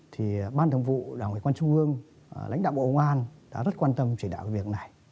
thì ban thống vụ đảng ủy công an trung ương lãnh đạo bộ công an đã rất quan tâm chỉ đạo việc này